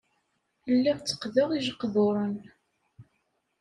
Lliɣ tteqqdeɣ ijeqduren.